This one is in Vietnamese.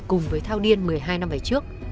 cùng với thao điên một mươi hai năm về trước